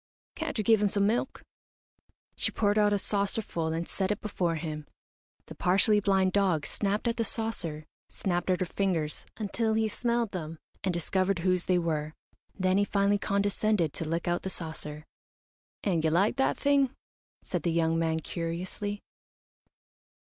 "Can't you give him some milk?" She poured out a saucer full and set it before him. The partially blind dog snapped at the saucer, snapped at her fingers until he smelled them and discovered whose they were, then he finally condescended to lick out the saucer. "And you like that thing?" said the young man, curiously.